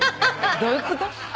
どういうこと？